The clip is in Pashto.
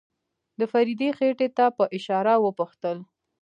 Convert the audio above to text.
د فريدې خېټې ته په اشاره وپوښتل.